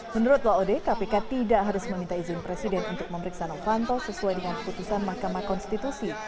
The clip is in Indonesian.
menurut laode kpk tidak harus meminta izin presiden untuk memeriksa novanto sesuai dengan keputusan mahkamah konstitusi